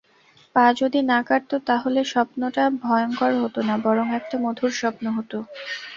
পা যদি না-কাটত তাহলে স্বপ্নটা ভয়ংকর হত না, বরং একটা মধুর স্বপ্ন হত।